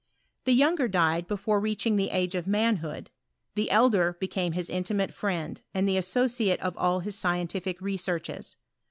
The younger died before reaching the age of man hood: the elder became his intimate friend, and the associate of all his scientific researches.